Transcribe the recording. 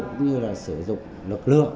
cũng như là sử dụng lực lượng